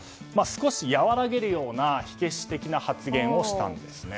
少し和らげるような火消的な発言をしたんですね。